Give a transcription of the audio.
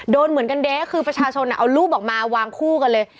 โดนเหมือนกันเด๊ะคือประชาชนเอารูปออกมาวางคู่กันเลย